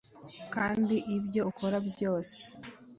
kandi ibyo ukora byose